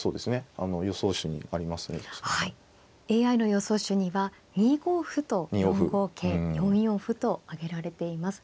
ＡＩの予想手には２五歩と４五桂４四歩と挙げられています。